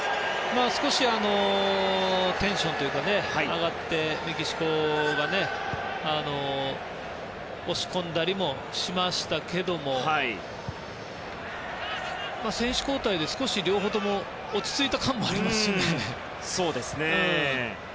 少し、テンションが上がってメキシコが押し込んだりもしましたけども選手交代で両方とも落ち着いた感もありますね。